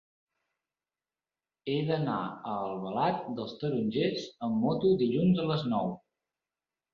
He d'anar a Albalat dels Tarongers amb moto dilluns a les nou.